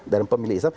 dan pemilik islam